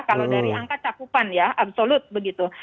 kalau dari angka cakupan ya absolut begitu